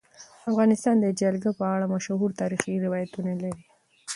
افغانستان د جلګه په اړه مشهور تاریخی روایتونه لري.